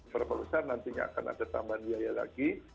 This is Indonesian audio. perbesar nantinya akan ada tambahan biaya lagi